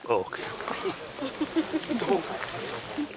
โอเค